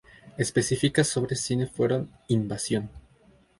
Específicas sobre cine fueron "Invasión!